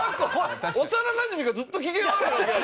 幼なじみがずっと機嫌悪いわけやから。